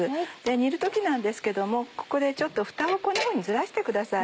煮る時なんですけどもここでちょっとフタをこんなふうにずらしてください。